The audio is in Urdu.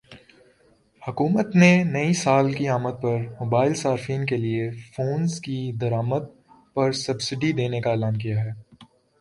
حکومت نے نئی سال کی آمد پر موبائل صارفین کے لیے فونز کی درآمد پرسبسڈی دینے کا اعلان کیا ہے